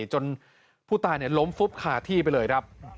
จนผู้ตายล้มฟุบคาที่ไปเลยครับ